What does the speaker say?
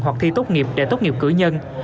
hoặc thi tốt nghiệp để tốt nghiệp cử nhân